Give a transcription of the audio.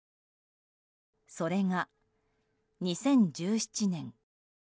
それが、２０１７年。